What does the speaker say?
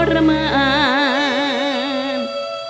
รมัน